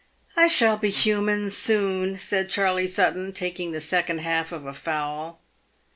" I shall be human soon," said Charley Sutton, taking the second half of a fowl.